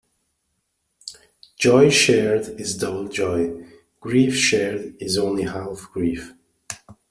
Joy shared is double joy; grief shared is only half grief.